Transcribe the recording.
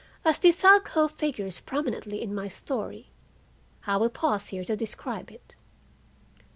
As this alcove figures prominently in my story, I will pause here to describe it.